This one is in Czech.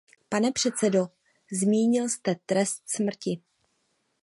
Pane předsedo, zmínil jste trest smrti.